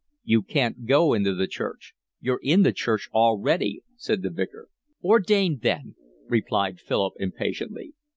"You can't go into the Church: you're in the Church already," said the Vicar. "Ordained then," replied Philip impatiently.